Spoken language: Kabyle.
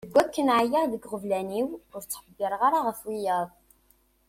Deg wakken ɛyiɣ deg yiɣeblan-iw, ur ttḥebbireɣ ara ɣef wiyaḍ.